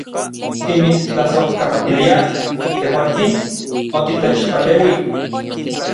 Timitstlasojkamatiliaj, tejuatsin, otitechpaleui.